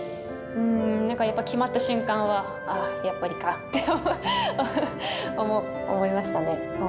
うん何かやっぱ決まった瞬間はああやっぱりかって思いましたね